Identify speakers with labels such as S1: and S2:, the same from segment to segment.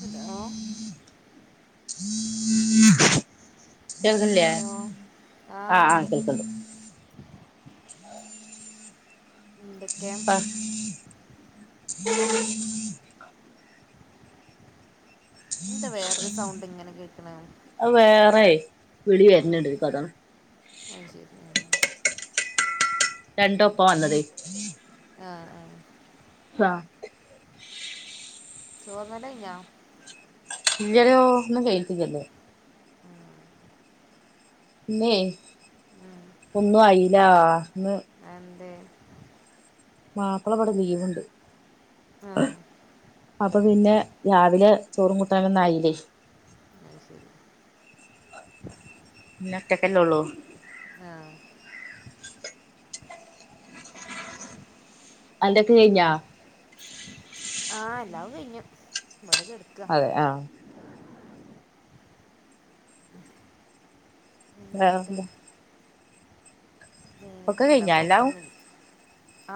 S1: Hello
S2: കേക്ക്ല്ലേ
S1: hello ആ
S2: ആഹ്
S1: ഉണ്ട്
S2: ആഹ് കേക്ക്ണ്ട്
S1: എന്തൊക്കെ
S2: പ്പ
S1: എന്താ വേറൊരു സൗണ്ട് ഇങ്ങനെ കേക്ക്ണെ
S2: അഹ് വേറെ വിളി വര്ന്ണ്ട് അതാണ്
S1: ആഹ് ശരി ആഹ്
S2: രണ്ടൊപ്പാ വന്നത്
S1: ആഹ് ആഹ്
S2: ആഹ്
S1: ചോർന്നല്ലഴിഞ്ഞോ
S2: ഇല്ല ല്ലോ ന്ന് വെയിക്ക്ന്നൊള്ളു
S1: ഉം,
S2: ഇന്നെ
S1: ഉം.
S2: ഒന്നും ആയില്ലാ ന്ന്
S1: അന്തേ
S2: മാപ്പിളവടെ ലീവ്ണ്ട്
S1: ആ
S2: അപ്പൊ പിന്നെ രാവിലെ ചോറും കൂട്ടാനൊന്നായിലേ
S1: അഹ് ശരി
S2: ഇന്ന ഒറ്റക്കല്ലൊള്ളൂ
S1: ആഹ്
S2: അന്റെക്കഴിഞ്ഞാ
S1: ആഹ് എല്ലാവും കഴിഞ്ഞു ഇവടെ കട്ക്ക
S2: അതെ ആഹ്
S1: എന്തെന്നിട്ട്
S2: വേറെന്താ ഒക്കെ കഴിഞ്ഞോ എല്ലാം
S1: രണ്ടാക്കൊപ്പം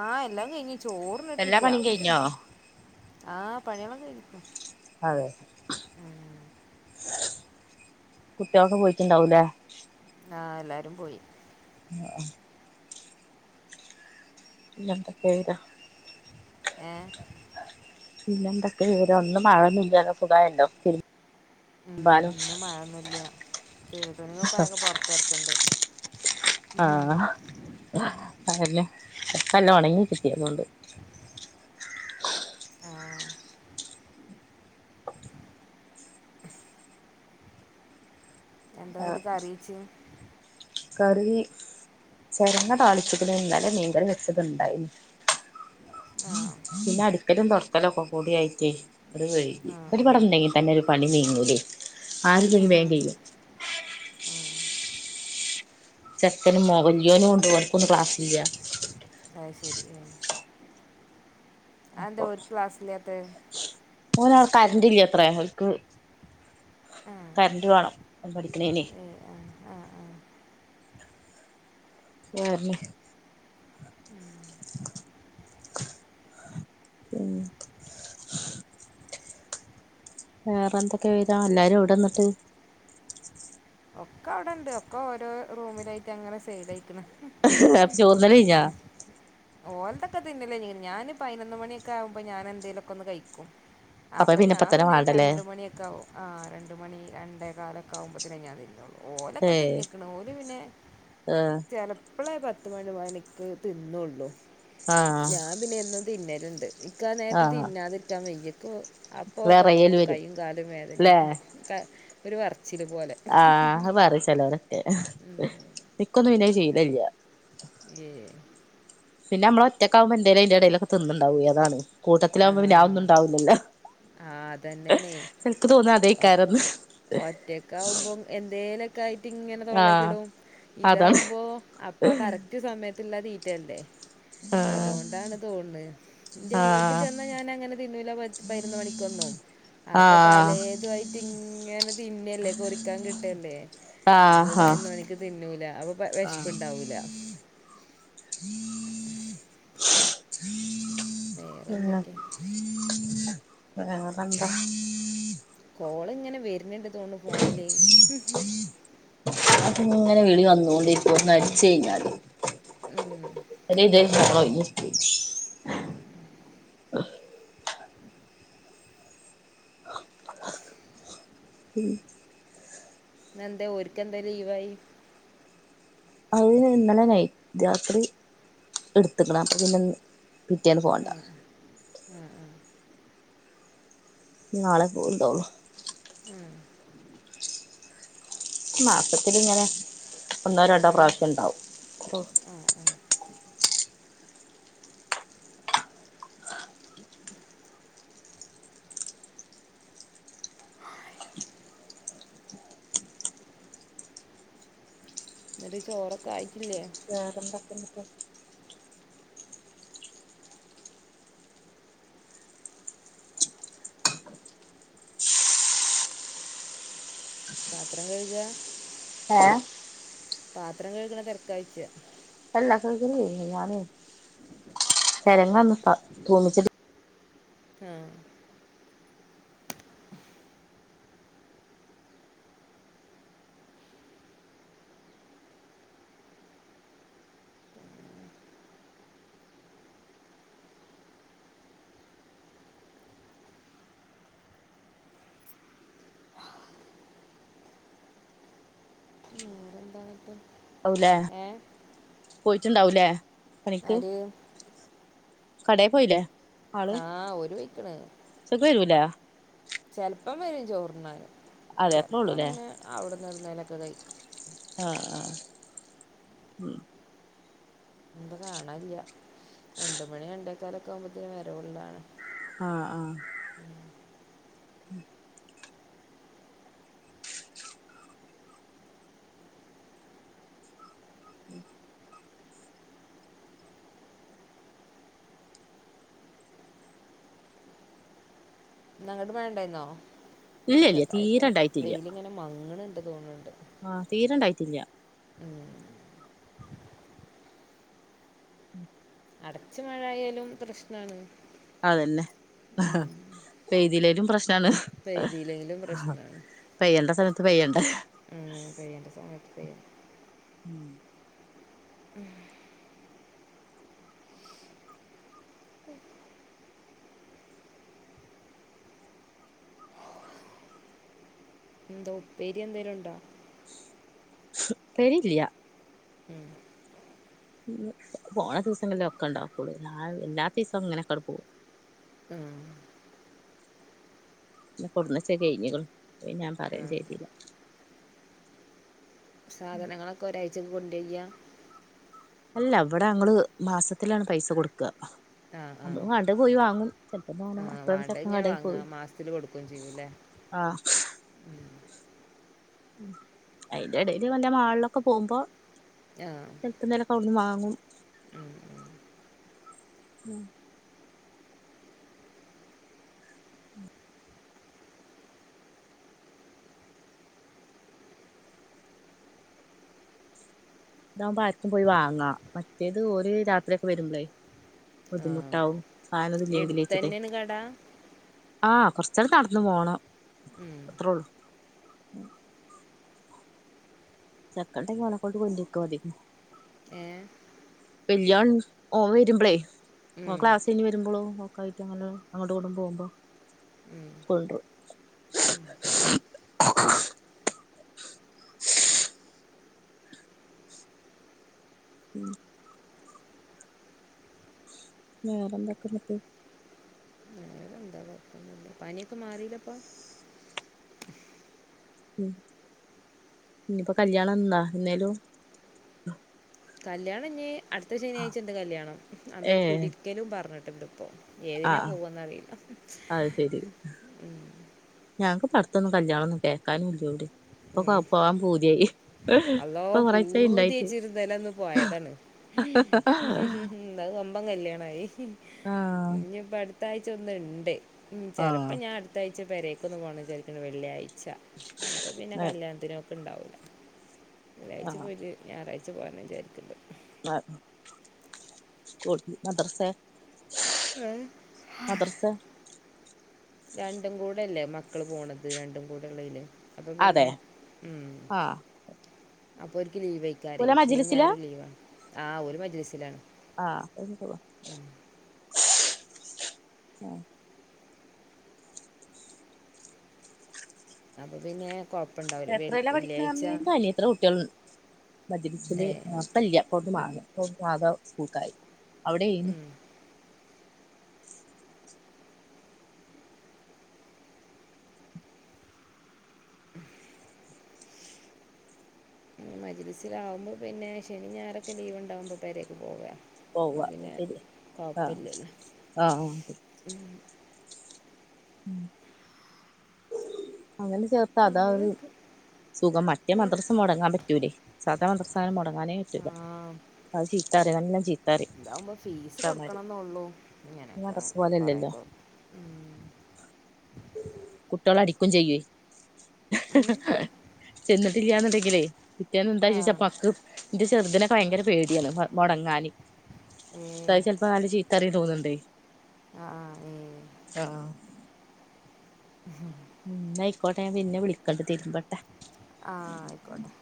S1: ആഹ് എല്ലാം കഴിഞ്
S2: എല്ലാ
S1: ചോറ്ന്ന്ട്ടില്ല
S2: പണിയും കഴിഞ്ഞോ
S1: ആഹ് പണിക്കളെകെ കയിഞ്ഞ്ക്ക്
S2: അതെ. കുട്ട്യാള് ഒക്കെ പോയിട്ടുണ്ടാവൂലേ.
S1: ആഹ് എല്ലാരും പോയി.
S2: [unintelligible] പിന്നെ എന്തെക്കെ വരാ
S1: ഏഹ്.
S2: പിന്നെ എന്തൊക്കെ വിവരം ഇന്ന് മഴൊന്നുല്ല സഖായല്ലോ. തി ബാനു
S1: മഴന്നുല്ല പെയ്ത [unintelligible] പോർത്കട്ക്ക്ണ്ട്.
S2: ആഹ് അതന്നെ നല്ല ഉണങ്ങി കിട്ടി അതുകൊണ്ട്.
S1: ആഹ്. എന്താനിട്ട്
S2: ആഹ്
S1: കറിവെച്ച്.
S2: കറി ചേരങ്ങ താളിച്ച്ക്ക്ണ് ഇന്നലെ മീൻ കറിവേച്ചത്ണ്ടായിനി.
S1: ആ
S2: പിന്നെ അടിക്കലും തൊടക്കലൊക്കെ ഒകെ കൂടിയായിട്ടേ. രം വൈകി
S1: ആ
S2: ഇവര്
S1: ആ.
S2: ഇവിടെ ഉണ്ടെങ്കിൽ തന്നെ ഒരു പണി നീങ്ങൂല്ലേ ആരും ഇല്ലെങ്കിൽ വേ കഴിയും. ചക്കന് മോകല്യനും ഉണ്ട് ഓന്ക്ക് ഇന്ന് ക്ലാസ്സില്ല.
S1: അഹ് ശരി ആഹ് അഹന്തേ ഓർക്ക് ക്ലാസ് ഇലാത്തെ.
S2: ഓനടെ കരണ്ട് ഇല്ല അത്രയാ ഓല്ക് കർന്റ് വേണം ഒന് പഠിക്കുണെ നെ.
S1: ആഹ് ആഹ്.
S2: ഞാർണ്. ഉം വേറെ എന്തൊക്കെ വരാ എല്ലാരും എവുടെന്നിട്ട്.
S1: ഒക്കെ അവിടെണ്ട് ഒക്കെ ഓരോ റൂമിലായിട്ട് അങ്ങനെ സൈ ഡേയിക്ക്ണ്.
S2: പ്പ ചോർന്നല് കഴിഞ്ഞോ?
S1: ഓല്തൊക്കെ തിന്നല് കഴിഞ്ക്ക്ണ്. ഞാന് പതിനൊന്ന് മണിയൊക്കെ ആകുമോ ഞാൻ എന്തേലൊക്കെ ഒന്ന് കഴിക്കും. അപ്പൊ ഞാൻ പിന്നെ രണ്ട് മണിയൊക്കെ ആകും. ആ രണ്ട് മണി രണ്ടേ കാലോക്കെ ആകുമ്പോത്തനെ ഞാൻ ത്തി ഓലൊക്കെ
S2: ഏഹ്
S1: തിന്നിക്ക്ണ് ഓല് പിന്നെ
S2: ആഹ്
S1: ചെലെ ഇപ്പെളേ പത്ത് മണി മണിക്ക് തിന്നൊള്ളൂ.
S2: ആഹ്
S1: ഞാൻ പിന്നെ എന്നും തിന്നല്ണ്ട്. ഇക്ക് അ നേരത്ത്
S2: ആഹ്
S1: തിന്നാതിരിക്കാൻ വെയ്യക്ക്. അപ്പൊ
S2: വെറയല്
S1: തൊടങ്ങും
S2: വരും
S1: കൈയും കാലും
S2: ല്ലേ
S1: വേദനൊകേ ഒരു വറച്ചിൽ പോലെ.
S2: ആഹ് അത് പറിം ചെലോലൊക്കെ. ഇക്കൊന്നും പിന്നെ അത് ശീലല്ല.
S1: ഇല്ലെയ്
S2: പിന്നെ അമ്മൾ ഒറ്റകാകുമ്പോ എന്തേലും ഐന്റെടേലൊക്കെ തിന്ന്ണ്ടാവോ അതാണ് കൂടത്തി ലാ കുമ്പം പിന്നെ
S1: ആഹ്
S2: അഹൊന്നുണ്ടാവുല്ലല്ലോ.
S1: ആഹ് അതന്നെയാണേ
S2: ചെല്ക്ക് തോന്നാ അതേയിക്കാരംന്ന്.
S1: കുട്ട്യേയ്ക്ക്കുമ്പോ എന്തേല ക്കായിട്ട് ഇങ്ങനെ
S2: ആഹ്
S1: തൊള്ളേക്കിടും.
S2: അതാണ്
S1: ഇതാവുമ്പോ അപ്പ ആ കറക് ക്‌റ്റ് സമയത്ത്ല്ലാ തീറ്റെല്ലേ.
S2: ആഹ്
S1: അതോണ്ടാണ് തോൺന്ന് ഇന്റെ വീട്ടി
S2: ആഹ്
S1: ചെന്ന ഞാൻ അങ്ങനെ തിന്നൂല്ല പറ പയ്നൊന്ന് മണിക്കെന്നും അപ്പൊ പലേത്വായിട്ട്. തിങ്ങനെ തിന്നല്ലേ കൊറിക്കാൻ കിട്ടല്ലേ. അപ്പൊ
S2: ആഹ് ആഹ് ആഹ്
S1: പതിനൊന്നു മണിക്ക് തിന്നൂല അപ്പൊ വിഷപ്പ്
S2: ആഹ്
S1: ഇണ്ടാവൂല.
S2: പിന്നെ
S1: വേറെന്തൊക്കെ.
S2: അങ്ങെ തണ്ട
S1: കോള് ഇങ്ങനെ വരുന്ണ്ട് തോന്നുണു ഫോണില്.
S2: അപ്പൊ ഇങ്ങനെ വിളി വന്നോണ്ട് ഇരിക്കും ഒന്നടിച്ച് കഴിഞ്ഞാൽ.
S1: ഉം
S2: [unintelligible]
S1: ഉം
S2: ഉം
S1: ഇന്നെന്തെ ഓര്ക്കെന്തെ ലീവായി
S2: അത് ഇന്നലെ നൈറ്റ് രാത്രി ഇട്ത്ത്ക്ക്ണ്. അപ്പ പിന്നെന്ന് പിറ്റേന്ന് പോണ്ട
S1: ഉം ഉം
S2: നാളെ പോവ് ണ്ടോള്ളു
S1: ഉം
S2: മാസത്തില്ങ്ങനെ ഒന്നോ രണ്ടോ
S1: ഉം
S2: പ്രാവശ്യം ഇണ്ടാവും
S1: ആഹ് ആഹ് ഇന്നട്ട് ചോറൊക്കെ ആയിട്ടില്ലേ
S2: വേറെന്തെക്കെ ഇന്ന്ട്ട്
S1: പാത്രം കഴ്കാ
S2: ഏഹ്
S1: പാത്രം കഴ്ക്ണ തെരക്കാഴ്ച്ച
S2: അല്ല കഴ്കല് കഴിഞ്ഞ്. ഞാന് ചെരങ്ങന്ന് താ തൂമിച്ചിട്ട്
S1: ഉം വേറെന്തായിട്ട്
S2: ഔലേ പോയിട്ട് ഇണ്ടാവൂലേ പണിക്ക്
S1: ആര്
S2: കടേ പോയിലെ
S1: ആഹ് ഓര് പൊയ്ക്ക്ണ്
S2: ഉച്ചക്ക് വരൂലെ
S1: ചെൽപ്പം വെരും ചോർന്നാന്
S2: അതെ അത്രേ
S1: ചെൽപ്പോ
S2: ഉള്ളൂല്ലേ
S1: അങ്ങനെ അവിട്ന്ന് എവിട്ന്നേലൊക്കെ കഴി
S2: അഹ് ആഹ് ഉം
S1: ഇന്ന്പ്പൊ കാണാല്യാ. രണ്ട് മണി രണ്ടേക്കാലൊക്കെ ആവുമ്പോത്തിന് വരവ്ള്ളാണ്
S2: അഹ് ആഹ് ഉം ഉം
S1: ഇന്നങ്ങട്ട് മഴ ണ്ടായ്ന്നോ
S2: ഇല്ല ഇല്ല
S1: ചെർതായിട്ട്
S2: തീരെ ഇണ്ടായിട്ടില്ല
S1: വെയില്ങ്ങനെ മങ്ങ്ണ് ണ്ട് തോന്ന്
S2: ആഹ് തീരെണ്ടായിട്ടില്ല
S1: അട്ച്ച് മഴയയാലും പ്രശ്നാണ്
S2: അതന്നെ ആഹ് പെയ്തിലേലും പ്രശ്നാണ്
S1: പെയ്തില്ലെങ്കിലും
S2: പെയ്യണ്ട സമയത്ത് പെയ്യണ്ടേ
S1: ഉം പെയ്യണ്ട സമയത്ത് പെയ്യ
S2: ഉം
S1: ഉം [unintelligible] എന്തോ ഉപ്പേരി എന്തേലുണ്ടോ?
S2: ഉപ്പേരില്യാ
S1: ഉം
S2: ഉം പോണ ദിവസങ്ങൾളെക്കെ ഇണ്ടാക്കൊള്ളൂ ഞാ എല്ലാത്തിസം ഇങ്ങനൊക്കണ്ട് പോകും
S1: ആഹ്
S2: പിന്നെ കൊട്ന്നെച്ചെ കഴിഞ്ഞ്ക്ണ് അത് ഞാൻ
S1: ആ.
S2: പറിം ചെയ്തീല
S1: സാധനങ്ങളൊക്കെ ഒരാഴ്ചക്ക് കൊണ്ടയ്യ
S2: അല്ല ഇവടെ ഞങ്ങള് മാസത്തിലാണ് പൈസ കൊട്ക്കാ
S1: ആ
S2: അമ്മള് വാണ്ടേ പോയി വാങ്ങും ചെൽപ്പം
S1: ആ
S2: തോനെ അപ്പ
S1: വേണ്ടത്
S2: ചെക്കൻ
S1: ഇങ്ങനെ
S2: കടേ
S1: വാങ്ങുക
S2: പോയി
S1: മാസത്തിൽ കൊടുക്കുകയും ചെയ്യും അല്ലേ
S2: ആഹ് ഉം ഐന്റെടേല് വല്ല മാൾളൊക്കെ പോവുമ്പോ
S1: ആഹ്
S2: ചെൽപ്പന്തേലൊക്കെ അവിട്ന്ന് വാങ്ങും
S1: ഉം.
S2: ഇതാവുമ്പോ ആര്ക്കും പോയി വാങ്ങാ മറ്റേത് ഓര് രാത്രിക്കെ വരുമ്പളേ ബുദ്ധിമുട്ടാവും സാധനം ഇല്ലെങ്കില് വെച്ചിട്ടെ
S1: എട്ത്തന്നേണ് കട
S2: ആഹ് കൊർച്ചണ്ട് നട്ന്ന് പോണം
S1: ഉം.
S2: അത്രോള്ളൂ ചെക്കണ്ടെങ്കി ഓനക്കൊണ്ട് കൊണ്ട്രിക്കും [unintelligible]
S1: ഏഹ്
S2: വെല്ലോം ഓമ് വര്മ്പളേ ഓമ്
S1: ഉം,
S2: ക്ലാസയ്ഞ് വരുമ്പളും ഒക്കായിട്ട് അങ്ങനെ അങ്ങോട്ട്ങ്ങട്ടും പോവുമ്പോ
S1: ഉം.
S2: കൊണ്ട്രും മ് വെറെന്തക്കെ ഇന്നട്ട്
S1: വേറെന്താ കോയപോന്നു പനിക്കെ മാറീല്ലപ്പം
S2: മ് ഇഞ് ഇപ്പോ കല്യാണന്നാ എന്നേലും
S1: കല്യാണം ഇഞ് അട്ത്ത ശനിയാഴ്ചണ്ട് കല്യാണം
S2: ഏ
S1: അന്നൊരു കൂടിര്ക്കലും പറഞ്ട്ട്ണ്ട് ഇപ്പൊ
S2: ആ
S1: ഏതിനാ പോവാന്നറീല്ല
S2: അത് ശരി ഞങ്ങക്ക് ഇപ്പട്ത്തൊന്നും കല്യാണൊന്നും കേക്കാനൂല്ല എവിടേം ഇപ്പൊ കോ പോവാൻ പൂതിയായി
S1: അളോ
S2: ഇപ്പൊ കൊറേച്ചായി ഇണ്ടായിട്ട്
S1: പൂതിയച്ചിര്ന്നെലൊന്ന് പോയതാണ് മ്മ് അത് വമ്പം കല്യാണായി
S2: ആ
S1: ഇഞ്പ്പ അടുത്താഴ്ച ഒന്ന്ണ്ട്‌ മ്മ്
S2: ആ
S1: ചെലപ്പം ഞാൻ അടുത്ത ആഴ്ച്ച പെരേക്കൊന്ന് പോണം വിചാരിക്കിണ്ട്‌ വെള്ളി ആഴ്ച അപ്പം പിന്നെ
S2: ആ
S1: കല്യാണത്തിനും ണ്ടാവൂല്ല
S2: ആ
S1: വെള്ളിയാഴ്ച പോയിട്ട് ഞാറാഴ്ച പോരണന്ന് വിചാരിക്ണ്ട്
S2: ആഹ് കുട് മദ്റസേ മദ്റസെ
S1: രണ്ടും കൂടെല്ലേ മക്കള് പോണത് രണ്ടും കൂടെളേല് അപ്പ പിന്നെ
S2: അതെ
S1: ഉം
S2: ആ
S1: അപ്പൊ ഓര്ക്ക് ലീവ് ക്കാരെ
S2: ഓല്
S1: ശനിം,
S2: മജ്‌ലിസിലാ
S1: ഞായറും, ലീവാ ആഹ് ഓല് മജ്ലിസിലാ
S2: ആഹ് എന്തുവാ ആഹ്
S1: അപ്പ പിന്നെ കൊ
S2: എത്രെലാ പഠിക്ക്ണെറ്ഞേ ഇന്റെ അനിയത്തിടെ കുട്ട്യേള്
S1: ഏ
S2: മജിലിസില് ഇപ്പെല്ല്യ ഇപ്പൗട്ന്ന് മാറി ഇപ്പൊ സാധാ സ്കൂക്കായി അവിടേനി
S1: [inaudible] മജിലിസിലാവുമ്പോ പിന്നെ ശെനിം ഞായറൊക്കെ ലീവ്ണ്ടാവുമ്പൊ പേരേക്ക് പോവെ
S2: പോവാ അഹ്ശെരിയാ ആ ആഹ് മ് അങ്ങനെ ചേർത്ത അതാ ഒരു. സുഖം മറ്റേ മദ്രസ് മൊടങ്ങാ പറ്റൂലെ സാധാ മദ്രസായ മൊടങ്ങാനേ
S1: ആ
S2: പറ്റൂല. ഉസ്താദ് ചീത്തറിം നല്ലൊം ചീത്ത
S1: ഇതാവുമ്പോ ഫീസ് കൊടുക്കണെന്നൊള്ളൂ
S2: ഈ
S1: ഇങ്ങനൊക്കെ
S2: മദ്രസ
S1: കൊറേക്കെ
S2: കുട്ട്യെളടിക്കും ചെയ്യെ
S1: ഉം?
S2: ചെന്നിട്ടില്യാന്നിണ്ടെങ്കിലെ പിറ്റ്യേന്ന് എന്താ
S1: ആ
S2: ചോയ്ച്ച പക് ഇന്റെ ചെർതിനൊക്കെ ഭയങ്കര പേടിയാണ് മൊടങ്ങാന്.
S1: ഏ
S2: ഉസ്താദ് ചെലപ്പോ നല്ല ചീത്തറിയും തോന്ന്ണ്ടേ
S1: ആ ഏ
S2: ആഹാ. ഉം ഇന്നയിക്കോട്ടെ ഞാ പിന്നെ വിളിക്കെണ്ട് തിര്മ്പട്ടെ.
S1: ആഹ് അയ്ക്കോട്ടെ